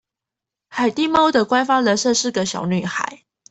凱蒂貓的官方人設是個小女孩